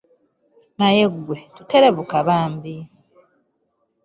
Naye ggwe toterebuka bambi.